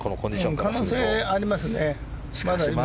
可能性ありますね。